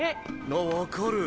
あっ分かる。